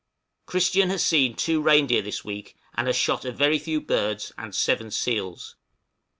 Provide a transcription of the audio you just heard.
Christian has seen two reindeer this week, and has shot a very few birds, and seven seals.